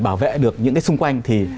bảo vệ được những cái xung quanh thì